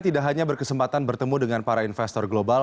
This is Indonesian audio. tidak hanya berkesempatan bertemu dengan para investor global